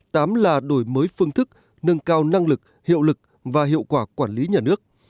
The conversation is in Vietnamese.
tám là đổi mới phương thức nâng cao năng lực hiệu lực và hiệu quả quản lý nhà nước